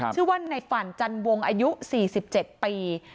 ชื่อว่าในฝั่นจันวงอายุสี่สิบเจ็ดปี